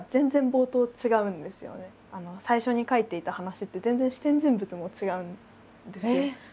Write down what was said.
最初に書いていた話って全然視点人物も違うんですよ。